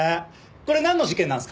これなんの事件なんですか？